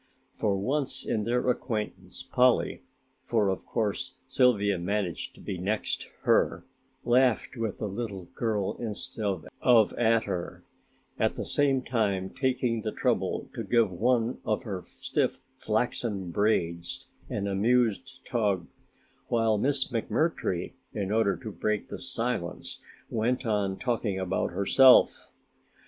For once in their acquaintance Polly (for of course Sylvia managed to be next her) laughed with the little girl instead of at her, at the same time taking the trouble to give one of her stiff flaxen braids an amused tug, while Miss McMurtry, in order to break the silence, went on talking about herself.